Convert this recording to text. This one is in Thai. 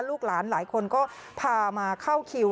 ลูกหลานหลายคนก็พามาเข้าคิว